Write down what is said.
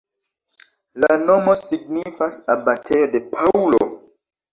La nomo signifas abatejo de Paŭlo.